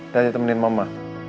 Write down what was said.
dan temenin mama